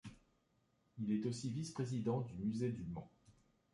Il est aussi vice-président du musée du Mans.